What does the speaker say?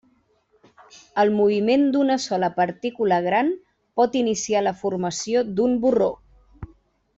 El moviment d'una sola partícula gran pot iniciar la formació d'un borró.